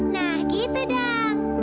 nah gitu dong